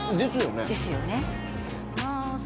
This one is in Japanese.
ですよね。ね？